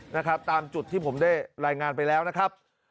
นะครับตามจุดที่ผมได้รายงานไปแล้วนะครับ